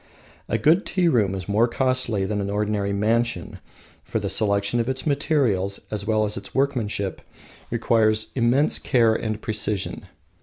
A good tea room is more costly than an ordinary mansion, for the selection of its materials, as well as its workmanship, requires immense care and precision.